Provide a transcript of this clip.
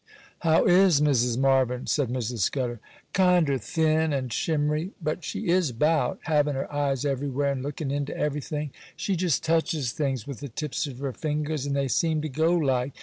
'How is Mrs. Marvyn?' said Mrs. Scudder. 'Kinder thin and shimmery, but she is about, havin' her eyes everywhere and looking into everything. She just touches things with the tips of her fingers and they seem to go like.